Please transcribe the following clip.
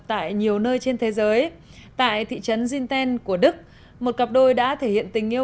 tại nhiều nơi trên thế giới tại thị trấn sinten của đức một cặp đôi đã thể hiện tình